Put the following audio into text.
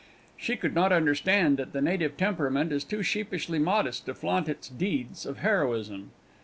She could not understand that the Native temperament is too sheepishly modest to flaunt its deeds of heroism.